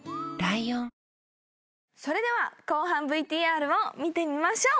それでは後半ＶＴＲを見てみましょう。